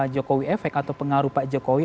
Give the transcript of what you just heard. jokowi efek atau pengaruh pak jokowi